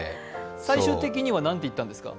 最終的には何て言ったんですか。